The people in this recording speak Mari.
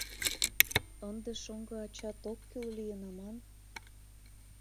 Ынде шоҥго ачат ок кӱл лийын аман.